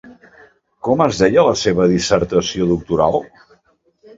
Com es deia la seva dissertació doctoral?